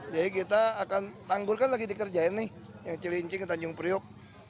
jadi kita akan tanggulkan lagi dikerjain nih yang cilincing tanjung priok